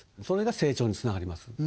それが成長につながります